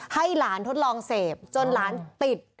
ให้หลานทดลองเสพจนหลานติด